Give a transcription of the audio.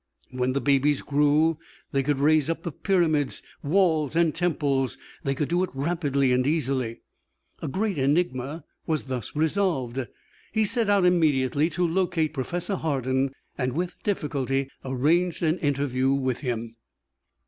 When the babies grew, they could raise up the pyramids, walls, and temples; they could do it rapidly and easily. A great enigma was thus resolved. He set out immediately to locate Professor Hardin and with difficulty arranged an interview with him.